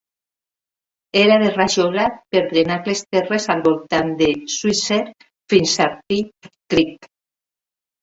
Era de rajola per drenar les terres al voltant de Sweetser fins a Pipe Creek.